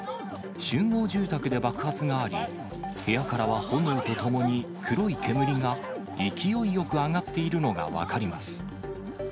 集合住宅で爆発があり、部屋からは炎とともに、黒い煙が勢いよく上がっているのが分かります。